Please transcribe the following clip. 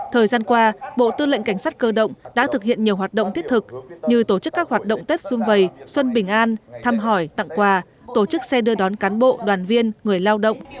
thời gian qua bộ tư lệnh cảnh sát cơ động đã thực hiện nhiều hoạt động thiết thực như tổ chức các hoạt động tết xuân vầy xuân bình an thăm hỏi tặng quà tổ chức xe đưa đón cán bộ đoàn viên người lao động